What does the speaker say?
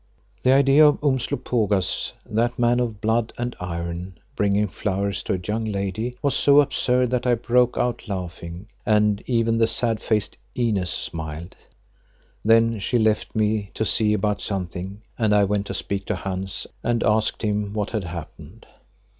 The idea of Umslopogaas, that man of blood and iron, bringing flowers to a young lady, was so absurd that I broke out laughing and even the sad faced Inez smiled. Then she left me to see about something and I went to speak to Hans and asked him what had happened.